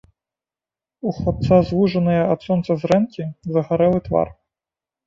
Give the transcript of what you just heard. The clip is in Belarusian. У хлапца звужаныя ад сонца зрэнкі, загарэлы твар.